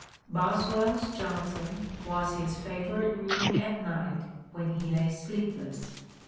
Bos weirs Johnson was his favourite reading at night when he lay sleepless.